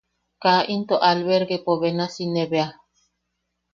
Kaa into albergepo benasi ne bea.